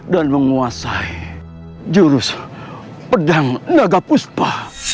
dan menguasai jurus pedang naga kuspa